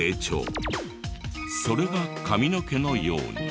それが髪の毛のように。